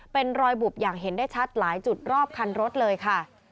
เป็นรอยบุบอย่างเห็นได้ชัดหลายจุดรอบคันรถเลยค่ะ